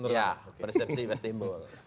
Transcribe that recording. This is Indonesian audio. ya persepsi mas timbul